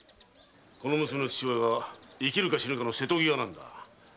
この娘の父親が生きるか死ぬかの瀬戸際なんだ。